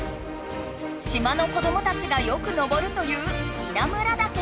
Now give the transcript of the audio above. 島の子どもたちがよく登るという稲村岳。